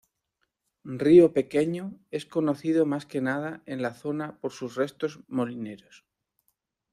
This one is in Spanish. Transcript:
Río pequeño, es conocido más que nada en la zona por sus restos molineros.